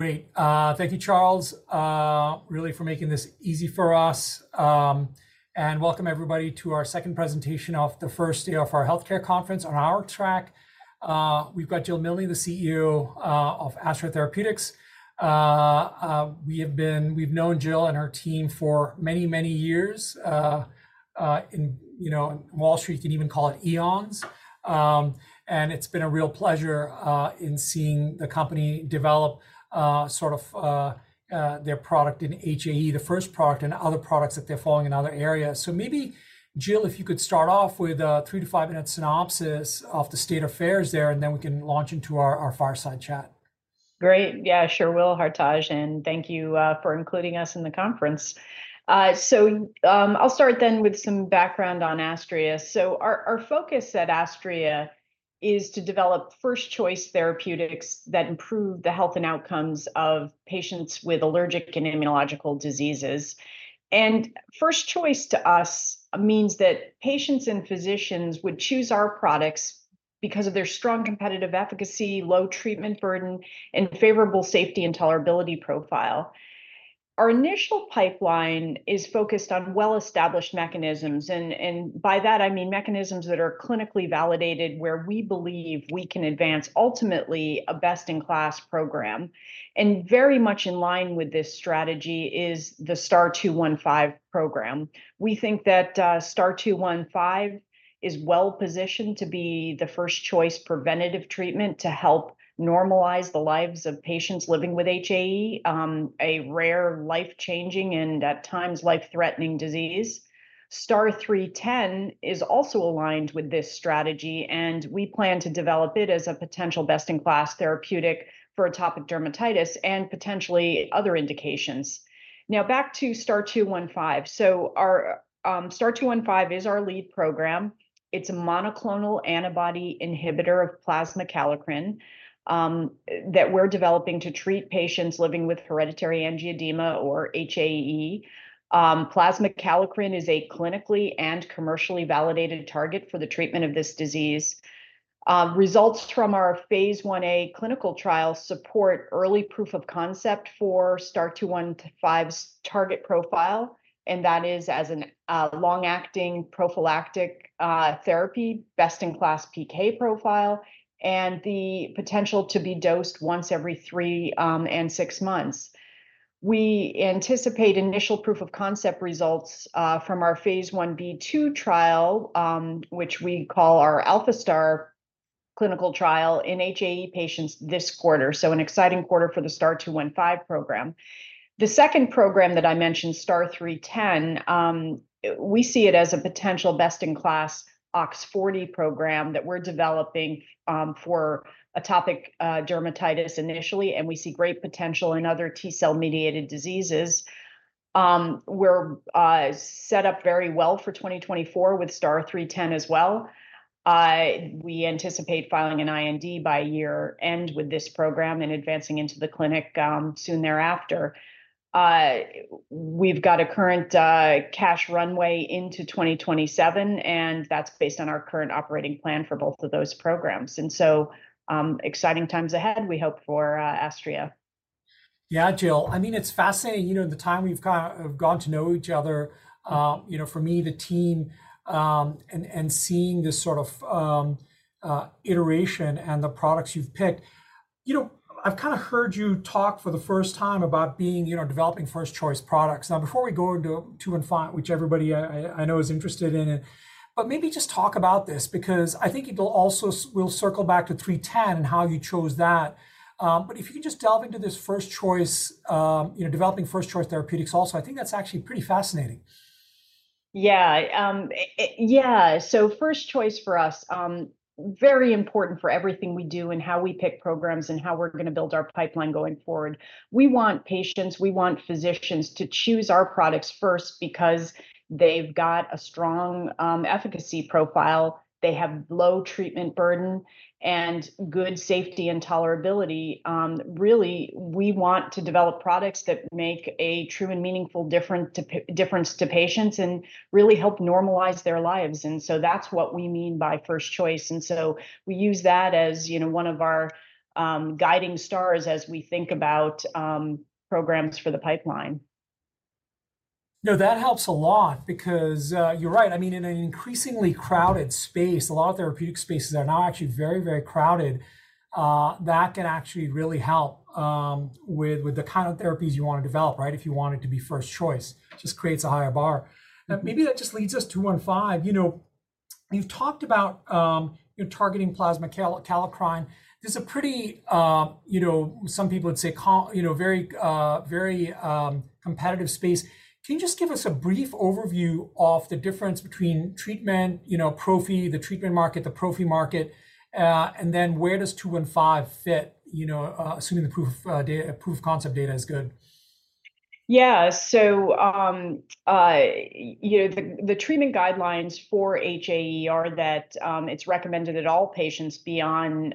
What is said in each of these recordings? Great. Thank you, Charles, really for making this easy for us. And welcome everybody to our second presentation of the first day of our healthcare conference on our track. We've got Jill Milne, the CEO of Astria Therapeutics. We've known Jill and her team for many, many years. In, you know, Wall Street, you can even call it eons. And it's been a real pleasure in seeing the company develop sort of their product in HAE, the first product, and other products that they're following in other areas. So maybe, Jill, if you could start off with a three to five-minute synopsis of the state of affairs there, and then we can launch into our fireside chat. Great. Yeah, sure will, Hartaj, and thank you for including us in the conference. So, I'll start then with some background on Astria. So our focus at Astria is to develop first choice therapeutics that improve the health and outcomes of patients with allergic and immunological diseases. And first choice to us means that patients and physicians would choose our products because of their strong competitive efficacy, low treatment burden, and favorable safety and tolerability profile. Our initial pipeline is focused on well-established mechanisms, and by that I mean mechanisms that are clinically validated, where we believe we can advance ultimately a best-in-class program. And very much in line with this strategy is the STAR-0215 program. We think that STAR-0215 is well positioned to be the first choice preventative treatment to help normalize the lives of patients living with HAE, a rare, life-changing, and at times, life-threatening disease. STAR-0310 is also aligned with this strategy, and we plan to develop it as a potential best-in-class therapeutic for atopic dermatitis and potentially other indications. Now, back to STAR-0215. So our STAR-0215 is our lead program. It's a monoclonal antibody inhibitor of plasma kallikrein that we're developing to treat patients living with hereditary angioedema, or HAE. Plasma kallikrein is a clinically and commercially validated target for the treatment of this disease. Results from our phase Ia clinical trial support early proof of concept for STAR-0215's target profile, and that is as an long-acting prophylactic therapy, best-in-class PK profile, and the potential to be dosed once every three and six months. We anticipate initial proof of concept results from our Phase Ib/II trial, which we call our ALPHA-STAR clinical trial in HAE patients this quarter, so an exciting quarter for the STAR-0215 program. The second program that I mentioned, STAR-0310, we see it as a potential best-in-class OX40 program that we're developing for atopic dermatitis initially, and we see great potential in other T cell-mediated diseases. We're set up very well for 2024 with STAR-0310 as well. We anticipate filing an IND by year end with this program and advancing into the clinic soon thereafter. We've got a current cash runway into 2027, and that's based on our current operating plan for both of those programs, and so, exciting times ahead, we hope for Astria. Yeah, Jill. I mean, it's fascinating, you know, the time we've have gotten to know each other, you know, for me, the team, and, and seeing this sort of, iteration and the products you've picked. You know, I've kind of heard you talk for the first time about being, you know, developing first choice products. Now, before we go into STAR-0215, which everybody I, I, I know is interested in it, but maybe just talk about this because I think it'll also, we'll circle back to STAR-0310 and how you chose that. But if you could just delve into this first choice, you know, developing first choice therapeutics also, I think that's actually pretty fascinating. Yeah. So first choice for us, very important for everything we do and how we pick programs and how we're gonna build our pipeline going forward. We want patients, we want physicians to choose our products first because they've got a strong efficacy profile, they have low treatment burden, and good safety and tolerability. Really, we want to develop products that make a true and meaningful difference to patients and really help normalize their lives, and so that's what we mean by first choice. And so we use that as, you know, one of our guiding stars as we think about programs for the pipeline. No, that helps a lot because, you're right. I mean, in an increasingly crowded space, a lot of therapeutic spaces are now actually very, very crowded. That can actually really help, with the kind of therapies you want to develop, right? If you want it to be first choice, just creates a higher bar. Now, maybe that just leads us to STAR-0215. You know, you've talked about, you're targeting plasma kallikrein. This is a pretty, you know, some people would say, you know, very, very, competitive space. Can you just give us a brief overview of the difference between treatment, you know, prophy, the treatment market, the prophy market, and then where does two and five fit? You know, assuming the proof, data, proof concept data is good. Yeah, so, you know, the treatment guidelines for HAE are that it's recommended that all patients be on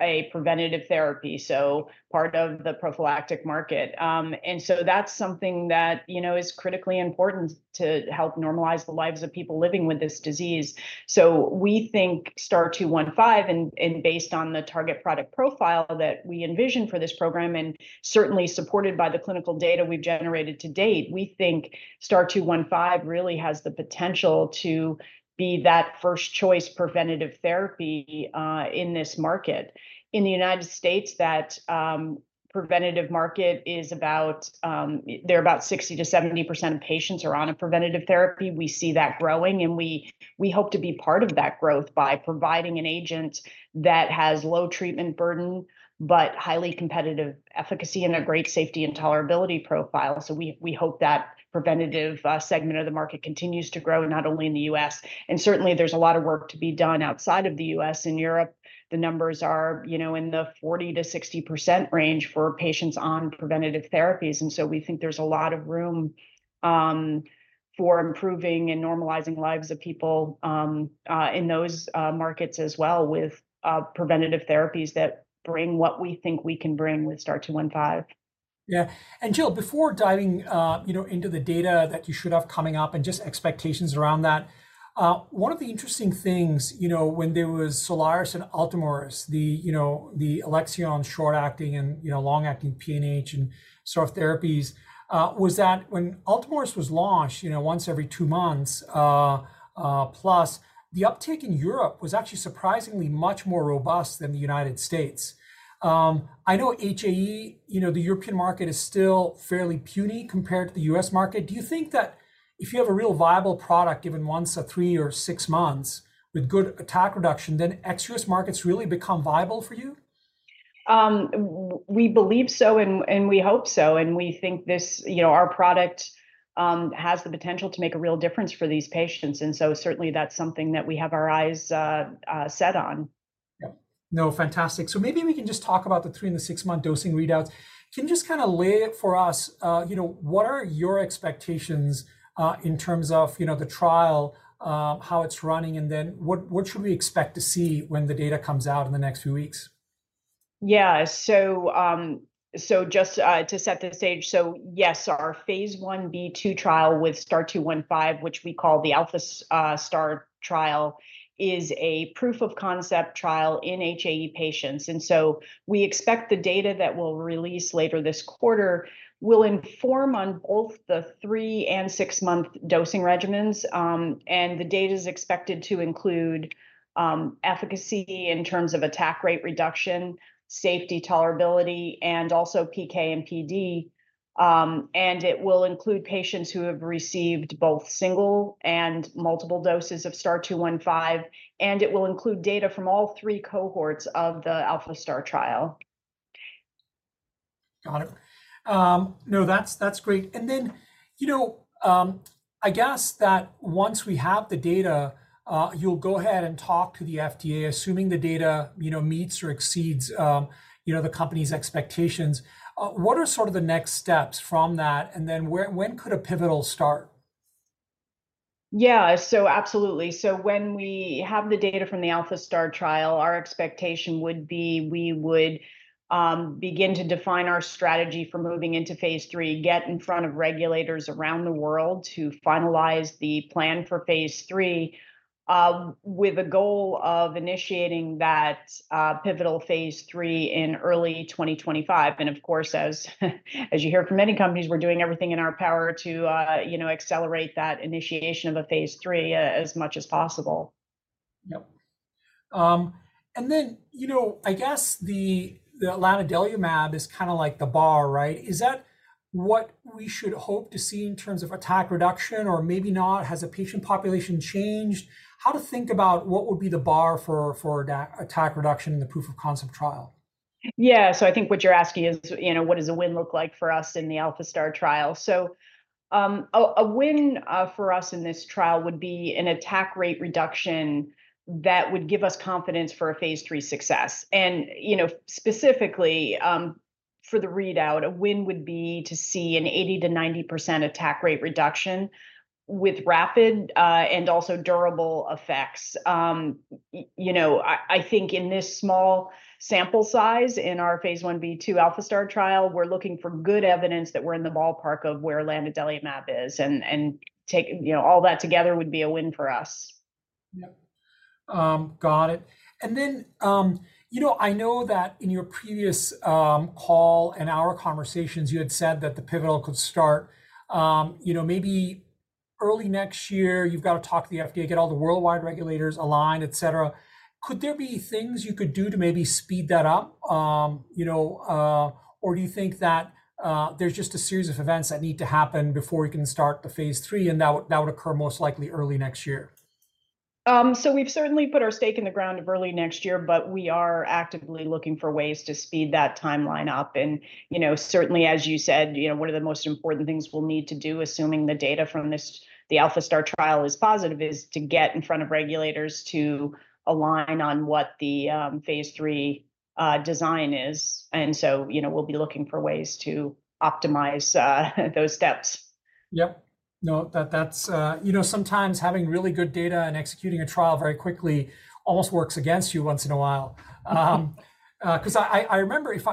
a preventative therapy, so part of the prophylactic market. And so that's something that, you know, is critically important to help normalize the lives of people living with this disease. So we think STAR-0215, and based on the target product profile that we envision for this program, and certainly supported by the clinical data we've generated to date, we think STAR-0215 really has the potential to be that first-choice preventative therapy in this market. In the United States, that preventative market is about, there are about 60%-70% of patients are on a preventative therapy. We see that growing, and we hope to be part of that growth by providing an agent that has low treatment burden, but highly competitive efficacy and a great safety and tolerability profile. So we hope that preventative segment of the market continues to grow, and not only in the U.S.. And certainly there's a lot of work to be done outside of the U.S.. In Europe, the numbers are, you know, in the 40%-60% range for patients on preventative therapies, and so we think there's a lot of room for improving and normalizing lives of people in those markets as well with preventative therapies that bring what we think we can bring with STAR-0215. Yeah. And Jill, before diving, you know, into the data that you should have coming up and just expectations around that, one of the interesting things, you know, when there was SOLIRIS and ULTOMIRIS, the, you know, the Alexion short-acting and, you know, long-acting PNH and SOF therapies, was that when ULTOMIRIS was launched, you know, once every two months, plus the uptick in Europe was actually surprisingly much more robust than the United States. I know HAE, you know, the European market is still fairly puny compared to the U.S. market. Do you think that if you have a real viable product given once every three or six months with good attack reduction, then ex-U.S. markets really become viable for you? We believe so, and we hope so, and we think this, you know, our product has the potential to make a real difference for these patients. And so certainly that's something that we have our eyes set on. Yeah. No, fantastic. So maybe we can just talk about the three and six-month dosing readouts. Can you just kinda lay it out for us, you know, what are your expectations in terms of, you know, the trial, how it's running, and then what, what should we expect to see when the data comes out in the next few weeks? Yeah. So, so just to set the stage, so yes, our Phase Ib/II trial with STAR-0215, which we call the ALPHA-STAR trial, is a proof-of-concept trial in HAE patients. And so we expect the data that we'll release later this quarter will inform on both the three and six-month dosing regimens. And the data is expected to include efficacy in terms of attack rate reduction, safety tolerability, and also PK and PD. And it will include patients who have received both single and multiple doses of STAR-0215, and it will include data from all three cohorts of the ALPHA-STAR trial. Got it. No, that's great. And then, you know, I guess that once we have the data, you'll go ahead and talk to the FDA, assuming the data, you know, meets or exceeds, you know, the company's expectations. What are sort of the next steps from that? And then where, when could a pivotal start? Yeah, so absolutely. So when we have the data from the ALPHA-STAR trial, our expectation would be we would begin to define our strategy for moving into Phase III, get in front of regulators around the world to finalize the plan for Phase III, with a goal of initiating that pivotal Phase III in early 2025. And of course, as you hear from many companies, we're doing everything in our power to, you know, accelerate that initiation of a Phase III as much as possible. Yep. And then, you know, I guess the lanadelumab is kinda like the bar, right? Is that what we should hope to see in terms of attack reduction, or maybe not? Has the patient population changed? How to think about what would be the bar for attack reduction in the proof-of-concept trial? Yeah, so I think what you're asking is, you know, what does a win look like for us in the ALPHA-STAR trial? So, a win for us in this trial would be an attack rate reduction that would give us confidence for a Phase III success. And, you know, specifically, for the readout, a win would be to see an 80%-90% attack rate reduction with rapid, and also durable effects. You know, I think in this small sample size, in our Phase Ib/II ALPHA-STAR trial, we're looking for good evidence that we're in the ballpark of where lanadelumab is, and. You know, all that together would be a win for us. Yep. Got it. And then, you know, I know that in your previous call and our conversations, you had said that the pivotal could start, you know, maybe early next year. You've got to talk to the FDA, get all the worldwide regulators aligned, etc.. Could there be things you could do to maybe speed that up? You know, or do you think that there's just a series of events that need to happen before you can start the Phase III, and that would occur most likely early next year? So we've certainly put our stake in the ground of early next year, but we are actively looking for ways to speed that timeline up. And, you know, certainly, as you said, you know, one of the most important things we'll need to do, assuming the data from this, the ALPHA-STAR trial is positive, is to get in front of regulators to align on what the Phase III design is, and so, you know, we'll be looking for ways to optimize those steps. Yep. No, that, that's, you know, sometimes having really good data and executing a trial very quickly almost works against you once in a while. Because I remember, if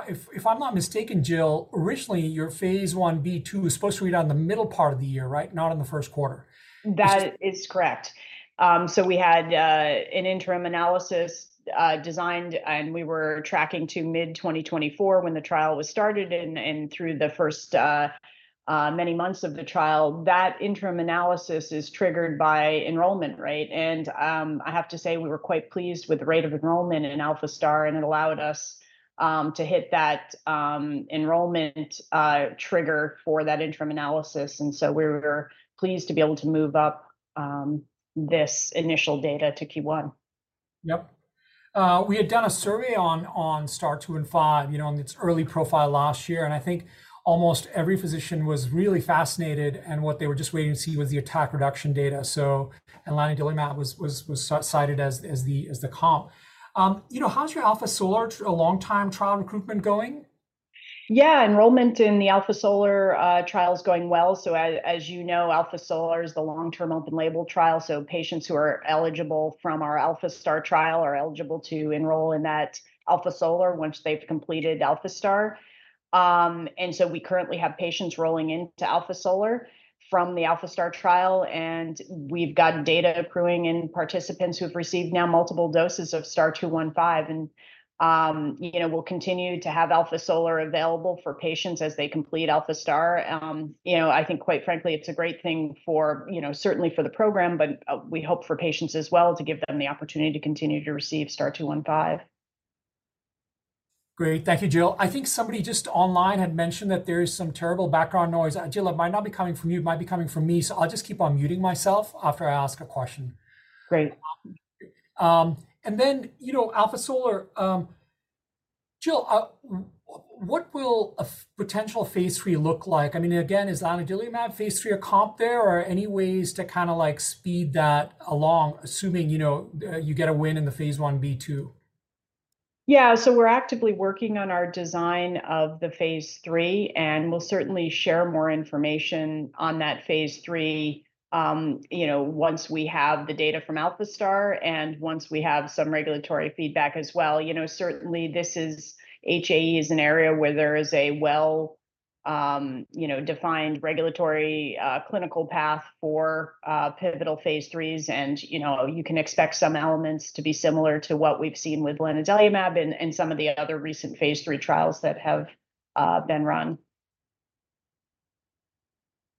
I'm not mistaken, Jill, originally, your Phase Ib/II was supposed to read out in the middle part of the year, right? Not in the first quarter. That is correct. So we had an interim analysis designed, and we were tracking to mid-2024 when the trial was started. And through the first many months of the trial, that interim analysis is triggered by enrollment, right? And I have to say we were quite pleased with the rate of enrollment in ALPHA-STAR, and it allowed us to hit that enrollment trigger for that interim analysis. And so we're pleased to be able to move up this initial data to Q1. Yep. We had done a survey on STAR-0215, you know, on its early profile last year, and I think almost every physician was really fascinated, and what they were just waiting to see was the attack reduction data. So lanadelumab was cited as the comp. You know, how's your ALPHA-SOLAR long-term trial recruitment going? Yeah, enrollment in the ALPHA-SOLAR trial is going well. So as you know, ALPHA-SOLAR is the long-term open-label trial, so patients who are eligible from our ALPHA-STAR trial are eligible to enroll in that ALPHA-SOLAR once they've completed ALPHA-STAR. And so we currently have patients rolling into ALPHA-SOLAR from the ALPHA-STAR trial, and we've got data accruing in participants who've received now multiple doses of STAR-0215. And, you know, we'll continue to have ALPHA-SOLAR available for patients as they complete ALPHA-STAR. You know, I think quite frankly, it's a great thing for, you know, certainly for the program, but, we hope for patients as well, to give them the opportunity to continue to receive STAR-0215. Great. Thank you, Jill. I think somebody just online had mentioned that there is some terrible background noise. Jill, it might not be coming from you, it might be coming from me, so I'll just keep on muting myself after I ask a question. Great. And then, you know, ALPHA-SOLAR, Jill, what will a potential Phase III look like? I mean, again, is lanadelumab Phase III a comp there, or are any ways to kinda, like, speed that along, assuming, you know, you get a win in the Phase Ib/II? Yeah, so we're actively working on our design of the Phase III, and we'll certainly share more information on that Phase III, you know, once we have the data from ALPHA-STAR and once we have some regulatory feedback as well. You know, certainly this is, HAE is an area where there is a well, you know, defined regulatory, clinical path for, pivotal Phase IIIs, and, you know, you can expect some elements to be similar to what we've seen with lanadelumab and, and some of the other recent Phase III trials that have, been run.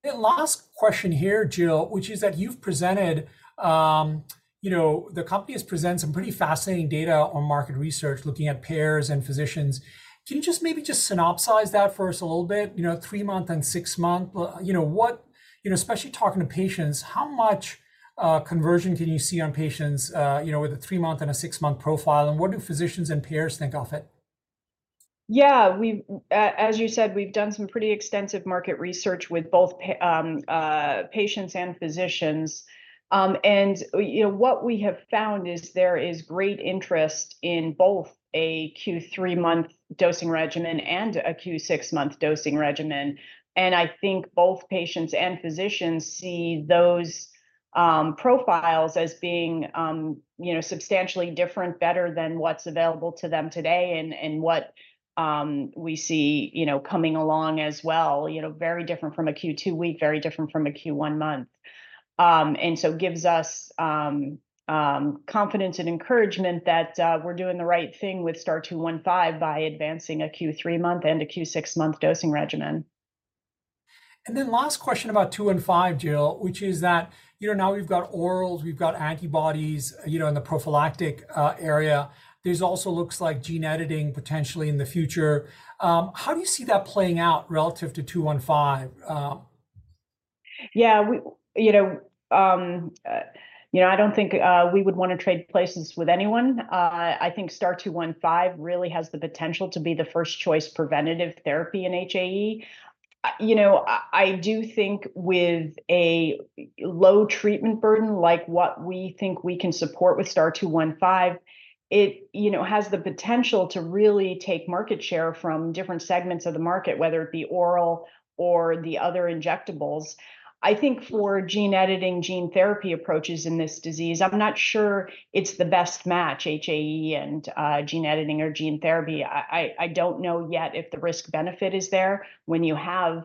The last question here, Jill, which is that you've presented, you know, the company has presented some pretty fascinating data on market research, looking at payers and physicians. Can you just maybe just synopsize that for us a little bit? You know, three-month and six-month. You know, especially talking to patients, how much conversion can you see on patients, you know, with a three-month and a six-month profile, and what do physicians and payers think of it? Yeah, we've, as you said, we've done some pretty extensive market research with both patients and physicians. And you know, what we have found is there is great interest in both a Q3-month dosing regimen and a Q6-month dosing regimen. And I think both patients and physicians see those profiles as being you know, substantially different, better than what's available to them today and what we see you know, coming along as well. You know, very different from a Q2 week, very different from a Q1 month. And so it gives us confidence and encouragement that we're doing the right thing with STAR-0215 by advancing a Q3-month and a Q6-month dosing regimen. And then last question about STAR-0215, Jill, which is that, you know, now we've got orals, we've got antibodies, you know, in the prophylactic area. There's also looks like gene editing potentially in the future. How do you see that playing out relative to STAR-0215? Yeah, we, you know, you know, I don't think we would wanna trade places with anyone. I think STAR-0215 really has the potential to be the first choice preventative therapy in HAE. You know, I, I do think with a low treatment burden, like what we think we can support with STAR-0215, it, you know, has the potential to really take market share from different segments of the market, whether it be oral or the other injectables. I think for gene editing, gene therapy approaches in this disease, I'm not sure it's the best match, HAE and, gene editing or gene therapy. I don't know yet if the risk-benefit is there when you have,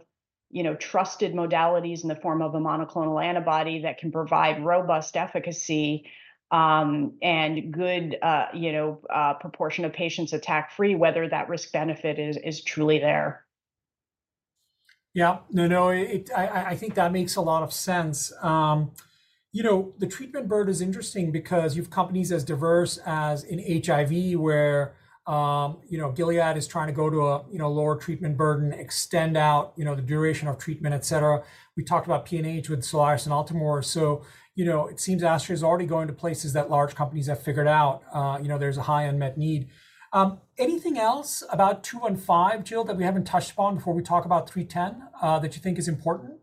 you know, trusted modalities in the form of a monoclonal antibody that can provide robust efficacy, and good, you know, proportion of patients attack-free, whether that risk-benefit is truly there. Yeah. No, no, it, I think that makes a lot of sense. You know, the treatment burden is interesting because you've companies as diverse as in HIV, where, you know, Gilead is trying to go to a, you know, lower treatment burden, extend out, you know, the duration of treatment, etc.. We talked about PNH with SOLIRIS and ULTOMIRIS, so, you know, it seems Astria is already going to places that large companies have figured out, you know, there's a high unmet need. Anything else about STAR-0215, Jill, that we haven't touched on before we talk about STAR-0310, that you think is important?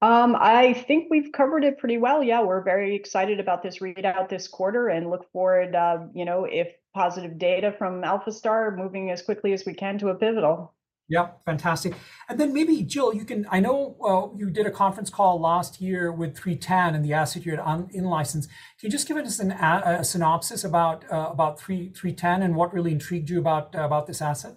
I think we've covered it pretty well. Yeah, we're very excited about this readout this quarter, and look forward, you know, if positive data from ALPHA-STAR moving as quickly as we can to a pivotal. Yeah, fantastic. And then maybe, Jill, you can, I know, well, you did a conference call last year with STAR-0310 and the asset you had on in-license. Can you just give us a synopsis about STAR-0310, and what really intrigued you about this asset?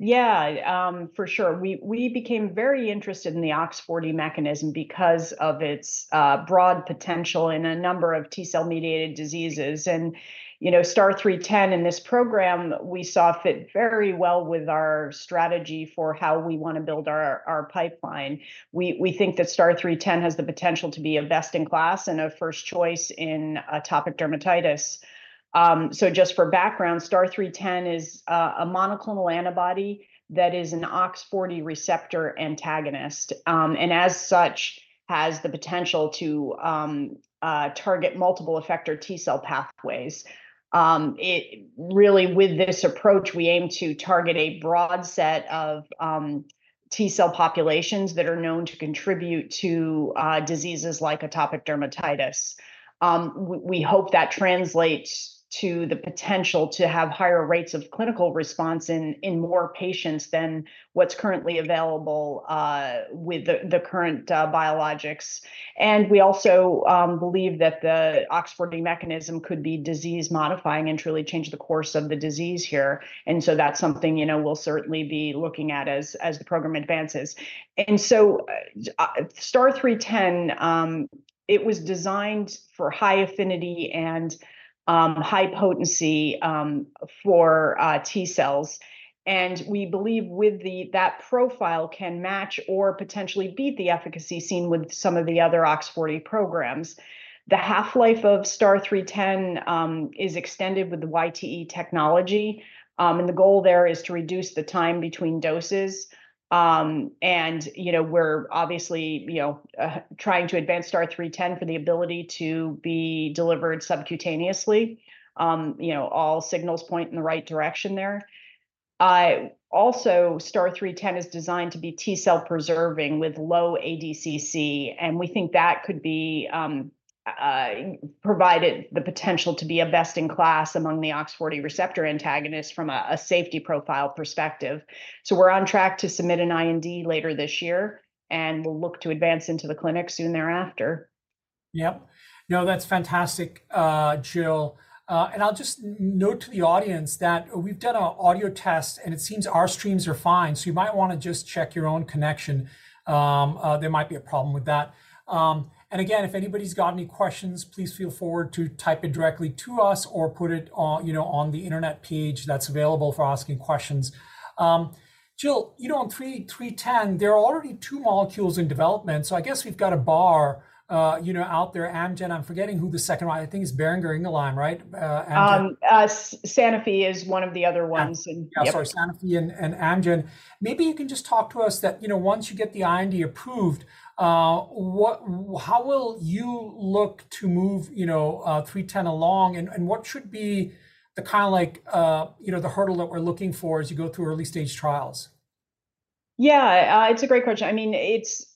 Yeah, for sure. We, we became very interested in the OX40 mechanism because of its, broad potential in a number of T cell-mediated diseases. And, you know, STAR-0310 in this program, we saw fit very well with our strategy for how we wanna build our, our pipeline. We, we think that STAR-0310 has the potential to be a best-in-class and a first choice in atopic dermatitis. So just for background, STAR-0310 is, a monoclonal antibody that is an OX40 receptor antagonist. And as such, has the potential to, target multiple effector T cell pathways. It, really with this approach, we aim to target a broad set of, T cell populations that are known to contribute to, diseases like atopic dermatitis. We hope that translates to the potential to have higher rates of clinical response in more patients than what's currently available with the current biologics. And we also believe that the OX40 mechanism could be disease-modifying and truly change the course of the disease here. And so that's something, you know, we'll certainly be looking at as the program advances. And so, STAR-0310, it was designed for high affinity and high potency for T cells. And we believe with that profile, can match or potentially beat the efficacy seen with some of the other OX40 programs. The half-life of STAR-0310 is extended with the YTE technology. And the goal there is to reduce the time between doses. And, you know, we're obviously, you know, trying to advance STAR-0310 for the ability to be delivered subcutaneously. You know, all signals point in the right direction there. Also, STAR-0310 is designed to be T cell preserving with low ADCC, and we think that could be, provided the potential to be a best-in-class among the OX40 receptor antagonists from a safety profile perspective. So we're on track to submit an IND later this year, and we'll look to advance into the clinic soon thereafter. Yep. No, that's fantastic, Jill. And I'll just note to the audience that we've done an audio test, and it seems our streams are fine, so you might wanna just check your own connection. There might be a problem with that. And again, if anybody's got any questions, please feel free forward to type it directly to us or put it on, you know, on the internet page that's available for asking questions. Jill, you know, on STAR-0310, there are already two molecules in development, so I guess we've got a bar, you know, out there. Amgen, I'm forgetting who the second one, I think it's Boehringer Ingelheim, right? Sanofi is one of the other ones, and yep. Yeah, sorry, Sanofi and Amgen. Maybe you can just talk to us that, you know, once you get the IND approved, what, how will you look to move, you know, STAR-0310 along, and what should be the kinda like, you know, the hurdle that we're looking for as you go through early stage trials? Yeah, it's a great question. I mean, it's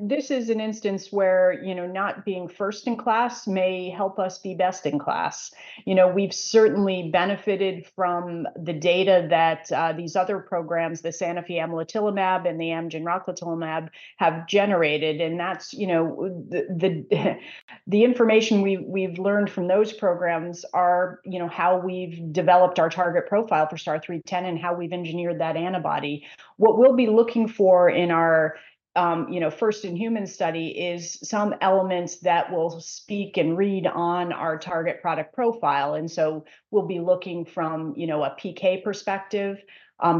this is an instance where, you know, not being first in class may help us be best in class. You know, we've certainly benefited from the data that these other programs, the Sanofi amlitelimab, and the Amgen rocatinlimab, have generated, and that's, you know, the information we've learned from those programs are, you know, how we've developed our target profile for STAR-0310, and how we've engineered that antibody. What we'll be looking for in our first-in-human study is some elements that will speak and read on our target product profile. And so we'll be looking from a PK perspective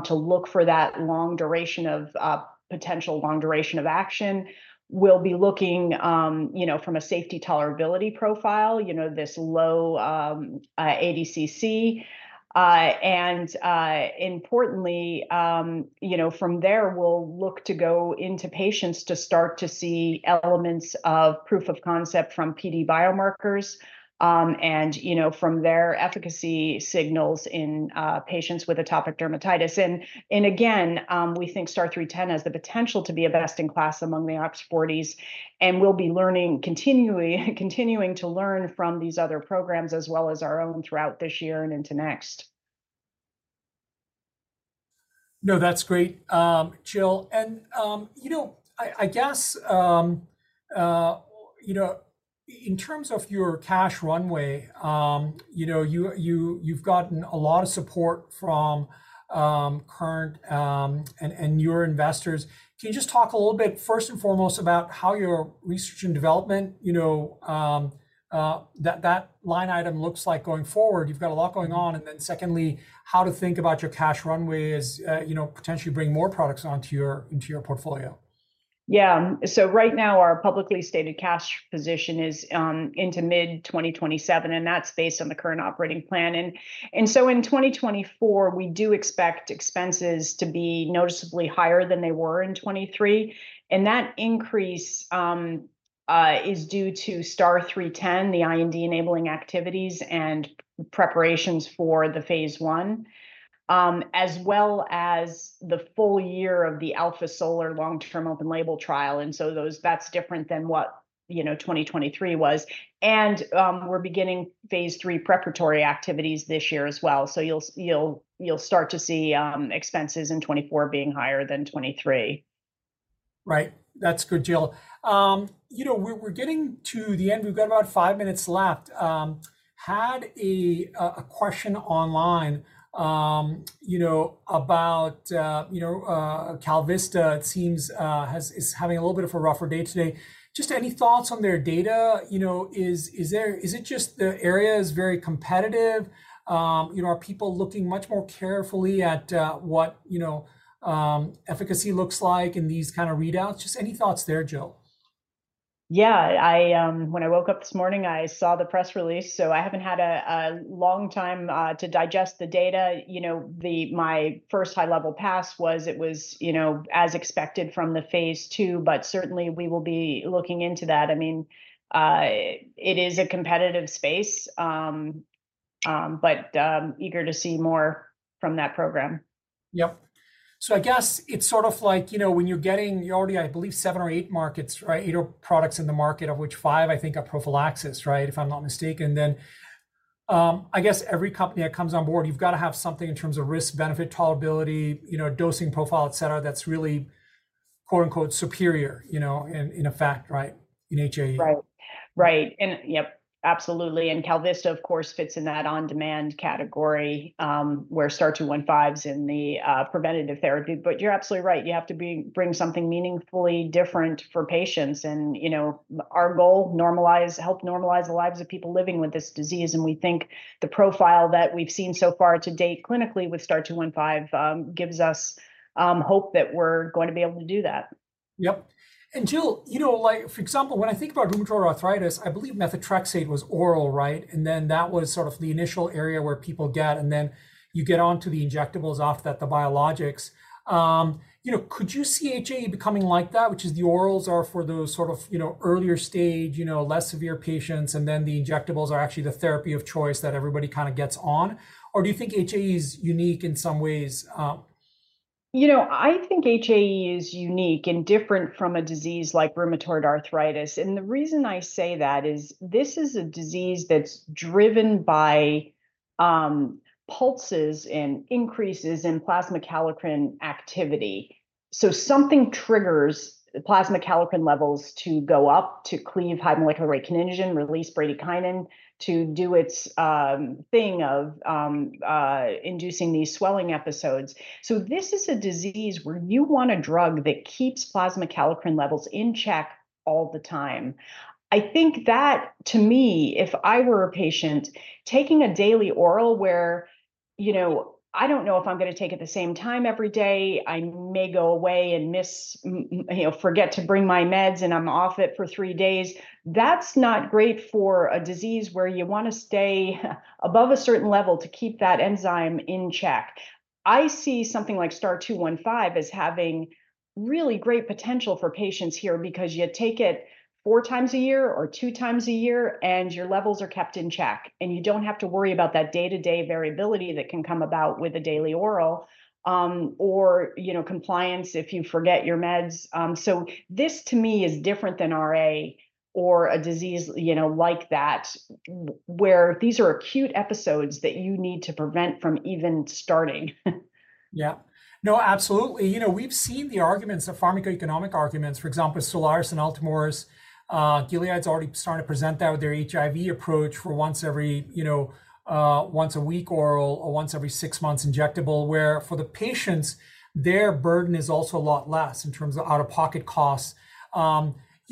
to look for that long duration of potential long duration of action. We'll be looking, you know, from a safety tolerability profile, you know, this low, ADCC. And, importantly, you know, from there, we'll look to go into patients to start to see elements of proof of concept from PD biomarkers, and, you know, from there, efficacy signals in, patients with atopic dermatitis. And, and again, we think STAR-0310 has the potential to be a best-in-class among the OX40s, and we'll be learning continually, continuing to learn from these other programs, as well as our own, throughout this year and into next. No, that's great, Jill. And, you know, I guess, you know, in terms of your cash runway, you know, you've gotten a lot of support from current and your investors. Can you just talk a little bit, first and foremost, about how your research and development, you know, that line item looks like going forward? You've got a lot going on. And then secondly, how to think about your cash runway as, you know, potentially bring more products into your portfolio. Yeah. So right now, our publicly stated cash position is into mid-2027, and that's based on the current operating plan. And so in 2024, we do expect expenses to be noticeably higher than they were in 2023. And that increase is due to STAR-0310, the IND-enabling activities and preparations for the Phase I, as well as the full year of the ALPHA-SOLAR long-term open label trial. And so that's different than what, you know, 2023 was. And we're beginning Phase III preparatory activities this year as well. So you'll start to see expenses in 2024 being higher than 2023. Right. That's good, Jill. You know, we're getting to the end. We've got about five minutes left. Had a question online, you know, about, you know, KalVista, it seems, has is having a little bit of a rougher day today. Just any thoughts on their data? You know, is there, is it just the area is very competitive? You know, are people looking much more carefully at, what, you know, efficacy looks like in these kind of readouts? Just any thoughts there, Jill? Yeah. I, when I woke up this morning, I saw the press release, so I haven't had a long time to digest the data. You know, my first high-level pass was, it was, you know, as expected from the Phase II, but certainly we will be looking into that. I mean, it is a competitive space, but eager to see more from that program. Yep. So I guess it's sort of like, you know, when you're getting, you're already, I believe, seven or eight markets, right? You know, products in the market, of which five, I think, are prophylaxis, right? If I'm not mistaken. Then, I guess every company that comes on board, you've got to have something in terms of risk, benefit, tolerability, you know, dosing profile, etc., that's really, quote unquote, "superior", you know, in, in effect, right, in HAE. Right. Right. And yep, absolutely, and KalVista, of course, fits in that on-demand category, where STAR-0215's in the preventative therapy. But you're absolutely right. You have to bring something meaningfully different for patients. And, you know, our goal, normalize... help normalize the lives of people living with this disease, and we think the profile that we've seen so far to date clinically with STAR-0215, gives us, hope that we're going to be able to do that. Yep. And Jill, you know, like for example, when I think about rheumatoid arthritis, I believe methotrexate was oral, right? And then that was sort of the initial area where people get, and then you get on to the injectables, off that, the biologics. You know, could you see HAE becoming like that, which is the orals are for those sort of, you know, earlier stage, you know, less severe patients, and then the injectables are actually the therapy of choice that everybody kind of gets on? Or do you think HAE is unique in some ways? You know, I think HAE is unique and different from a disease like rheumatoid arthritis, and the reason I say that is this is a disease that's driven by pulses and increases in plasma kallikrein activity. So something triggers the plasma kallikrein levels to go up, to cleave high molecular weight kininogen, release bradykinin, to do its thing of inducing these swelling episodes. So this is a disease where you want a drug that keeps plasma kallikrein levels in check all the time. I think that, to me, if I were a patient taking a daily oral, where, you know, I don't know if I'm gonna take it the same time every day, I may go away and miss, you know, forget to bring my meds, and I'm off it for three days. That's not great for a disease where you wanna stay above a certain level to keep that enzyme in check. I see something like STAR-0215 as having really great potential for patients here because you take it four times a year or two times a year, and your levels are kept in check, and you don't have to worry about that day-to-day variability that can come about with a daily oral or, you know, compliance if you forget your meds. So this, to me, is different than RA or a disease, you know, like that, where these are acute episodes that you need to prevent from even starting. Yeah. No, absolutely. You know, we've seen the arguments, the pharmacoeconomic arguments, for example, with SOLIRIS and ULTOMIRIS. Gilead's already starting to present that with their HIV approach for once every, you know, once a week oral or once every six months injectable, where for the patients, their burden is also a lot less in terms of out-of-pocket costs.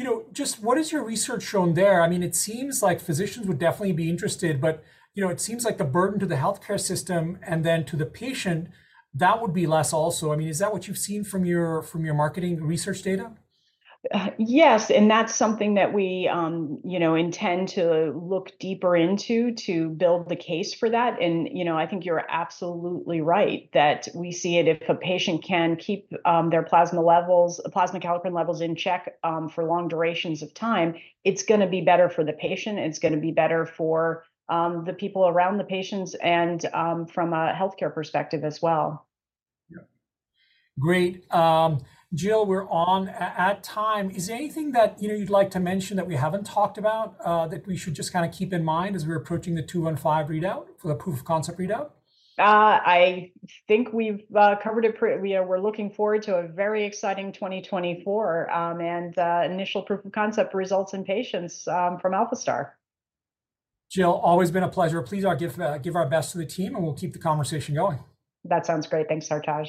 You know, just what has your research shown there? I mean, it seems like physicians would definitely be interested, but, you know, it seems like the burden to the healthcare system and then to the patient, that would be less also. I mean, is that what you've seen from your, from your marketing research data? Yes, and that's something that we, you know, intend to look deeper into to build the case for that. And, you know, I think you're absolutely right that we see it, if a patient can keep, their plasma levels, plasma kallikrein levels in check, for long durations of time, it's gonna be better for the patient, and it's gonna be better for, the people around the patients and, from a healthcare perspective as well. Yep. Great. Jill, we're at time. Is there anything that, you know, you'd like to mention that we haven't talked about that we should just kinda keep in mind as we're approaching the STAR-0215 readout, for the proof of concept readout? I think we've covered it. We're looking forward to a very exciting 2024, and initial proof of concept results in patients from ALPHA-STAR. Jill, always been a pleasure. Please give our best to the team, and we'll keep the conversation going. That sounds great. Thanks, Hartaj.